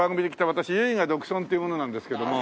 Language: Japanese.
私唯我独尊っていう者なんですけども。